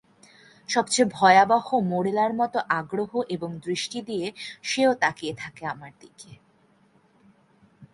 সবচেয়ে ভয়াবহ মোরেলার মতো আগ্রহ এবং দৃষ্টি দিয়ে সে-ও তাকাত আমার দিকে।